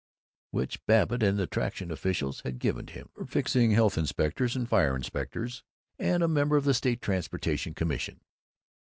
which Babbitt and the Traction officials had given to him for "fixing" health inspectors and fire inspectors and a member of the State Transportation Commission.